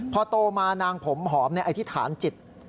พอโตมานางผมหอมอธิษฐานจิต